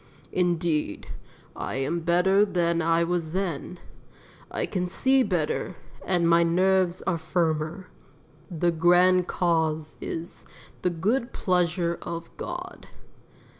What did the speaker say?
Indeed, I am better than I was then; I can see better, and my nerves are firmer. The grand cause is 'the good pleasure of God.'